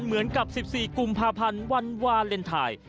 เหมือนกับ๑๔กุมภาพันธ์วันวาเลนไทย